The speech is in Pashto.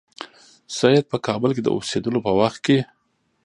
سید په کابل کې د اوسېدلو په وخت کې.